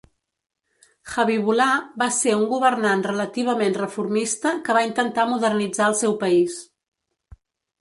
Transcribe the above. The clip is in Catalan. Habibullah va ser un governant relativament reformista que va intentar modernitzar el seu país.